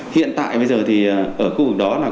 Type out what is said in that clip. hiện tại bây giờ thì ở khu vực đó là